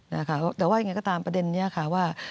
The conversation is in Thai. แต่ว่ายังไงก็ตามประเด็นนี้ค่ะว่า